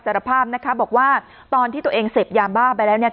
สารภาพนะคะบอกว่าตอนที่ตัวเองเสพยาบ้าไปแล้วเนี่ย